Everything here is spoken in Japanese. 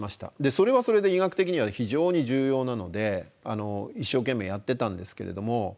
それはそれで医学的には非常に重要なので一生懸命やってたんですけれども。